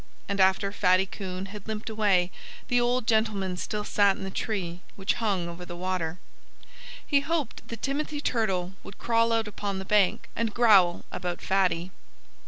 And after Fatty Coon had limped away the old gentleman still sat in the tree which hung over the water. He hoped that Timothy Turtle would crawl out upon the bank and growl about Fatty.